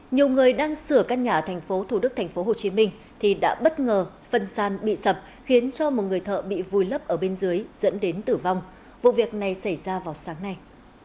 nhiều người đang sửa các nhà thành phố thủ đức thành phố hồ chí minh thì đã bất ngờ phần sàn bị sập khiến cho một người thợ bị vùi lấp ở bên dưới dẫn đến tử vong vụ việc này xảy ra vào sáng nay